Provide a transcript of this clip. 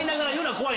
怖い。